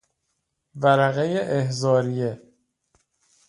ورقهٔ احضاریه